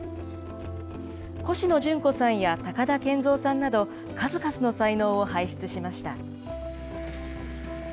コシノジュンコさんや高田賢三さんなど、数々の才能を輩出しました。